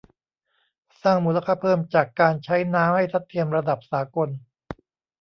สร้างมูลค่าเพิ่มจากการใช้น้ำให้ทัดเทียมระดับสากล